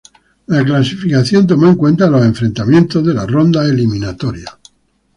La clasificación tomó en cuenta los enfrentamientos de la ronda eliminatoria.